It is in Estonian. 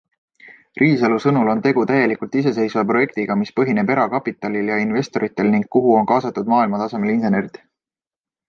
Riisalu sõnul on tegu täielikult iseseiseva projektiga, mis põhineb erakapitalil ja investoritel ning kuhu on kaasatud maailmatasemel insenerid.